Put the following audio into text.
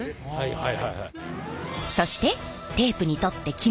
はい！